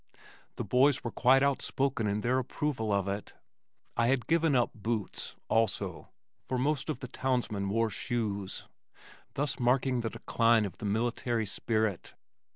The boys were quite outspoken in their approval of it. I had given up boots, also, for most of the townsmen wore shoes, thus marking the decline of the military spirit.